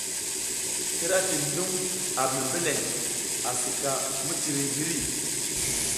Ira cin dum ar membeleng asi ka miciri hiri.